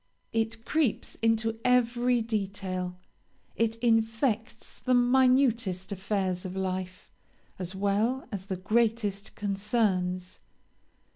It creeps into every detail; it infects the minutest affairs of life as well as the greatest concerns.